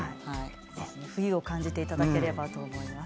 冬を感じていただければと思います。